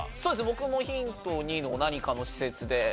僕もヒント２の「何かの施設」で。